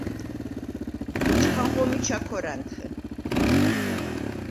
ეჩქანღო მიჩა ქორ ა̈ნთხე.